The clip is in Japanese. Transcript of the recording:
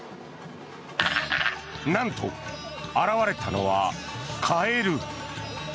なんと、現れたのはカエル。